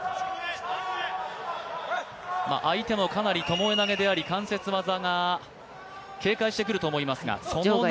相手もかなりともえ投げであり関節技を警戒してくると思いますが。